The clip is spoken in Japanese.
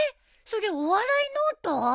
それお笑いノート？